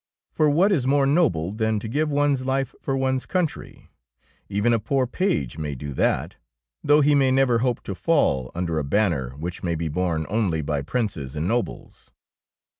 For what is more noble than to give one's life for one's country I Even a poor page may do that, though he may never hope to fall under a banner which may be borne only by princes and nobles.